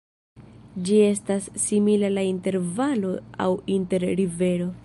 Ĝi estas simila al inter-valo aŭ inter-rivero.